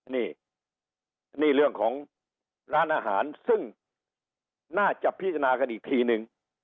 นี่นี่เรื่องของร้านอาหารซึ่งน่าจะพิจารณากันอีกทีนึง